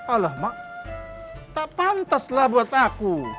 alah mak tak pantas lah buat aku